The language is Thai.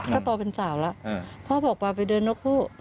ก็โตเป็นสาวแล้วพ่อบอกว่าไปเดินนกฮู่